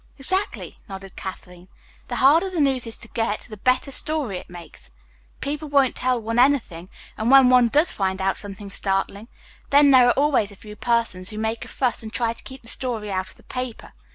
"Exactly," nodded Kathleen. "The harder the news is to get, the better story it makes. People won't tell one anything, and when one does find out something startling, then there are always a few persons who make a fuss and try to keep the story out of the paper.